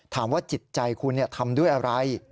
ถามว่าจิตใจคุณทำด้วยอะไร